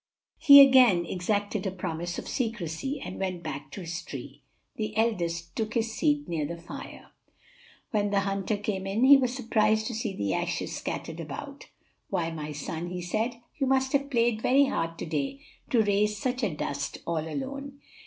He again exacted a promise of secrecy and went back to his tree. The eldest took his seat near the fire. When the hunter came in he was surprised to see the ashes scattered about. "Why, my son," he said, "you must have played very hard to day to raise such a dust all alone."